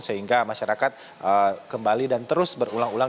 sehingga masyarakat kembali dan terus berulang ulang